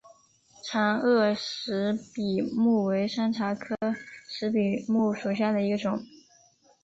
长萼石笔木为山茶科石笔木属下的一个种。